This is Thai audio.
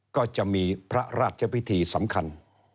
ก็จะมีพระราชพิธีสำคัญ